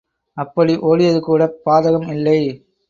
அப்படி ஓடியதுகூடப் பாதகம் இல்லை.